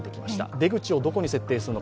出口をどこに設定するのか。